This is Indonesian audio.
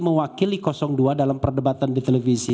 mewakili dua dalam perdebatan di televisi